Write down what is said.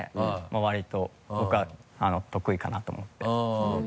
割りと僕は得意かなと思って。